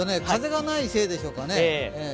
風がないせいでしょうかね。